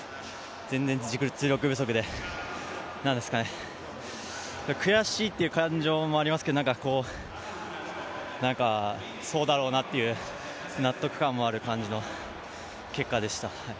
全然実力不足で、悔しいっていう感情もありますけどそうだろうなっていう、納得感もある結果でした。